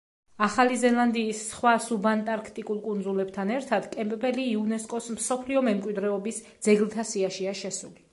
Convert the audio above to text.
ახალი ზელანდიის სხვა სუბანტარქტიკულ კუნძულებთან ერთად, კემპბელი იუნესკოს მსოფლიო მემკვიდრეობის ძეგლთა სიაშია შესული.